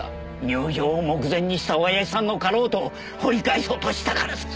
入定を目前にしたおやじさんのかろうとを掘り返そうとしたからです。